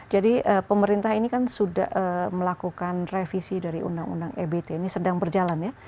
jadi pemerintah ini kan sudah melakukan revisi dari undang undang ebt ini sedang berjalan ya